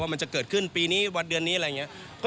มันจะเกิดขึ้นปีนี้วันเดือนนี้อะไรอย่างนี้